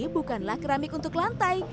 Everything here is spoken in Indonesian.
bukanlah keramik untuk lantai